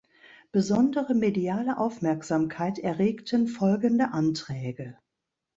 Besondere mediale Aufmerksamkeit erregten folgende Anträge.